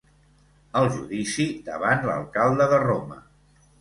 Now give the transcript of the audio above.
El judici davant l'alcalde de Roma.